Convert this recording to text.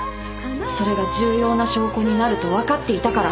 それが重要な証拠になると分かっていたから。